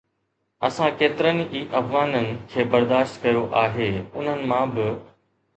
اسان ڪيترن ئي افغانن کي برداشت ڪيو آهي، انهن مان به